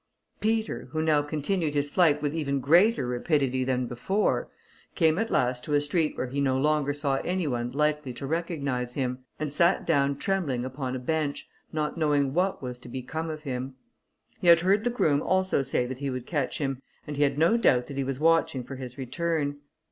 Peter, who now continued his flight with even greater rapidity than before, came at last to a street where he no longer saw any one likely to recognise him, and sat down trembling, upon a bench, not knowing what was to become of him. He had heard the groom also say that he would catch him, and he had no doubt that he was watching for his return.